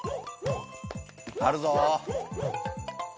あるぞ。